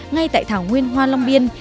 ngay tại thảo nguyên hoa long biên